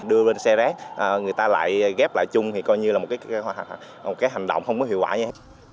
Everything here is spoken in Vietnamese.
đưa lên xe rác người ta lại ghép lại chung thì coi như là một cái hành động không có hiệu quả nhé